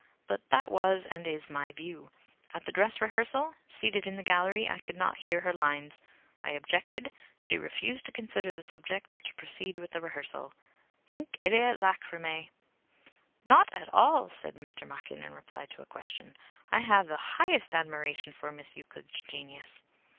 But that was and is my view. At the dress rehearsal, seated in the gallery, I could not hear her lines. I objected. She refused to consider the subject or to proceed with the rehearsal. Hinc illæ lachrymæ!" ... "Not at all," said Mr. Machin in reply to a question, "I have the highest admiration for Miss Euclid's genius.